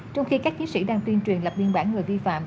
trong khi các chiến sĩ đang tuyên truyền lập biên bản người vi phạm